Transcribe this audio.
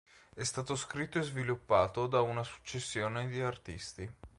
È stato scritto e sviluppato da una successione di artisti.